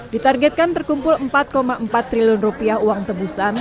ditargetkan terkumpul empat empat triliun rupiah uang tebusan